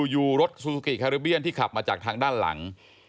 อยู่รถซูซูกิคาริเบียนที่ขับมาจากทางด้านหลัง